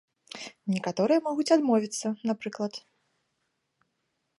Некаторыя могуць адмовіцца, напрыклад.